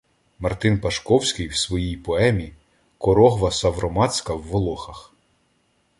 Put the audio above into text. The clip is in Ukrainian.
Мартин Пашковський в своїй поeмі «Корогва Савроматська в Волохах»